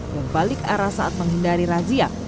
yang balik arah saat menghindari razia